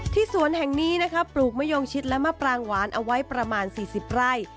สวนแห่งนี้นะคะปลูกมะยงชิดและมะปรางหวานเอาไว้ประมาณ๔๐ไร่